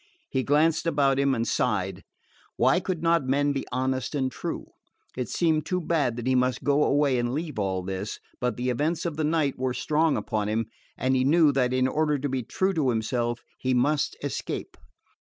He glanced about him and sighed. Why could not men be honest and true? It seemed too bad that he must go away and leave all this; but the events of the night were strong upon him, and he knew that in order to be true to himself he must escape.